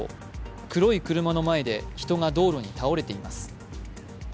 黒い車の前で人が道路に倒れています。